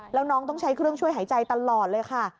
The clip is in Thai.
แล้วน้องต้องใช้เครื่องช่วยหายใจตลอดเลยค่ะ